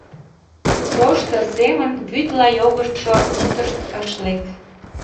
Тошто семын вӱдла йогышо мутышт ыш лек.